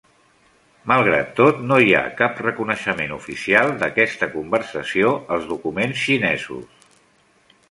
Malgrat tot, no hi ha cap reconeixement oficial d'aquesta conversació als documents xinesos.